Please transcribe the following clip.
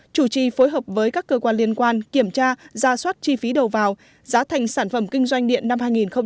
chủ trì phối hợp với các cơ quan liên quan kiểm tra ra soát chi phí đầu vào giá thành sản phẩm kinh doanh điện năm hai nghìn một mươi chín